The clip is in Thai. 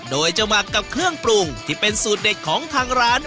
โดยจะหมักกับเครื่องปรุงที่เป็นสูตรเด็ดของทางร้าน